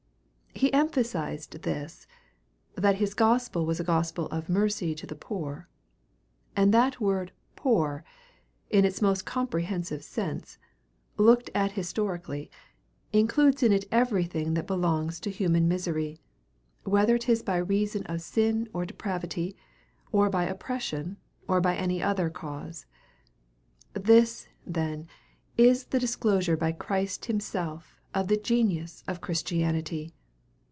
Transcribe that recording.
He emphasized this, that his gospel was a gospel of mercy to the poor; and that word "poor," in its most comprehensive sense, looked at historically, includes in it everything that belongs to human misery, whether it be by reason of sin or depravity, or by oppression, or by any other cause. This, then, is the disclosure by Christ himself of the genius of Christianity.